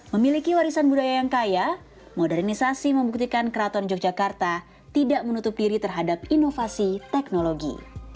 memiliki warisan budaya yang kaya modernisasi membuktikan keraton yogyakarta tidak menutup diri terhadap inovasi teknologi